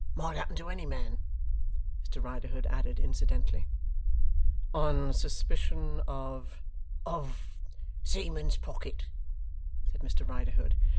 (Might happen to any man, Mr Riderhood added incidentally.) 'On suspicion of ' 'Of seaman's pocket,' said Mr Riderhood.